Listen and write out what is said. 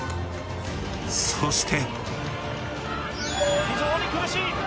そして。